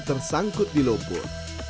tersangkut di lumpur